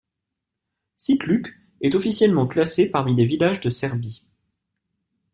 Čitluk est officiellement classé parmi les villages de Serbie.